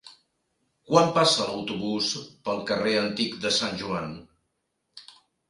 Quan passa l'autobús pel carrer Antic de Sant Joan?